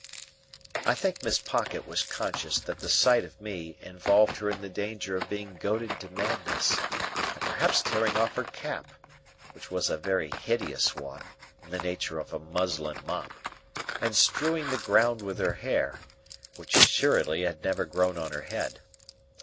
I think Miss Pocket was conscious that the sight of me involved her in the danger of being goaded to madness, and perhaps tearing off her cap,—which was a very hideous one, in the nature of a muslin mop,—and strewing the ground with her hair,—which assuredly had never grown on her head.